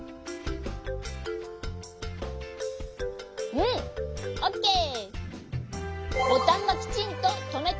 うんオッケー！